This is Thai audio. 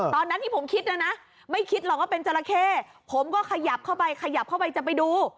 ตอนนั้นที่ผมคิดนะนะไม่คิดหรอกว่าเป็นจราเข้ผมก็ขยับเข้าไปขยับเข้าไปจะไปดู